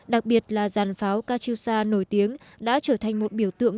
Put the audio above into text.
đặc biệt là giàn pháo kachusha nổi tiếng đã trở thành một biểu tượng